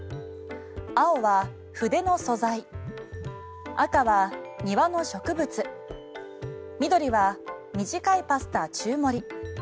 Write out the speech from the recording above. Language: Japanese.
青は、筆の素材赤は、庭の植物緑は、短いパスタ中盛り。